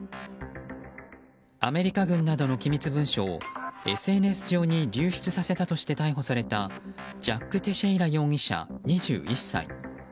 アメリカ軍などの機密文書をＳＮＳ上に流出させたとして逮捕されたジャック・テシェイラ容疑者２１歳。